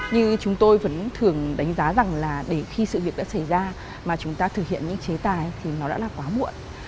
như chúng tôi vẫn thường đánh giá rằng là để khi sự việc đã xảy ra mà chúng ta thực hiện những chế tài thì nó đã là quá muộn